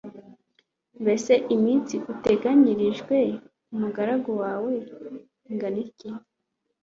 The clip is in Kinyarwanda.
Mbese iminsi uteganyirije umugaragu wawe ingana iki?